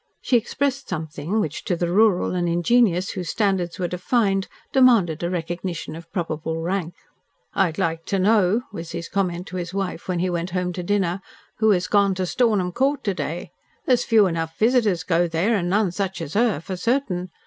She expressed something which to the rural and ingenuous, whose standards were defined, demanded a recognition of probable rank. "I'd like to know," was his comment to his wife when he went home to dinner, "who has gone to Stornham Court to day. There's few enough visitors go there, and none such as her, for certain.